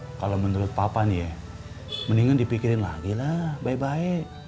ma kalau menurut papa nih ya mendingan dipikirin lagi lah baik baik